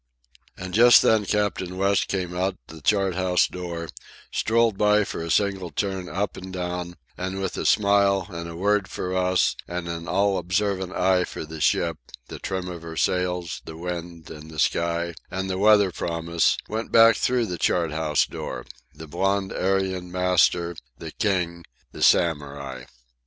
And just then Captain West came out the chart house door, strolled by for a single turn up and down, and with a smile and a word for us and an all observant eye for the ship, the trim of her sails, the wind, and the sky, and the weather promise, went back through the chart house door—the blond Aryan master, the king, the Samurai.